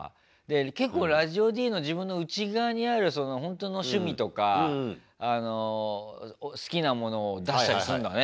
結構ラジオＤの自分の内側にあるほんとの趣味とか好きなものを出したりすんだね。